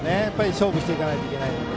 勝負していかないといけないので。